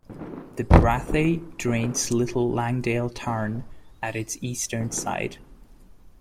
The Brathay drains Little Langdale Tarn at its eastern side.